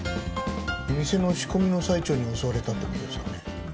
店の仕込みの最中に襲われたってことですかね。